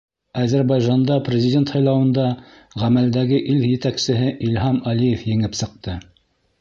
Азербайжанда президент һайлауында ғәмәлдәге ил етәксеһе Илһам Алиев еңеп сыҡты.